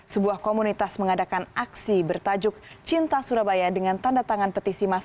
sebuah komunitas mengadakan aksi bertajuk cinta surabaya dengan tanda tangan petisi massa